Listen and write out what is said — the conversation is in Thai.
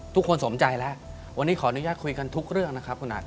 สมใจแล้ววันนี้ขออนุญาตคุยกันทุกเรื่องนะครับคุณอาจ